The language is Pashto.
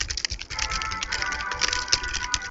ما ته په دې اړه غلط معلومات راکړل شوي دي.